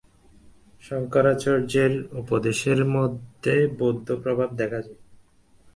শঙ্করাচার্যের উপদেশের মধ্যে বৌদ্ধ প্রভাব দেখা যায়।